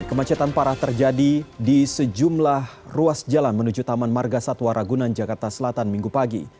kemacetan parah terjadi di sejumlah ruas jalan menuju taman marga satwa ragunan jakarta selatan minggu pagi